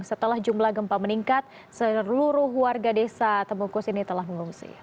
setelah jumlah gempa meningkat seluruh warga desa temukus ini telah mengungsi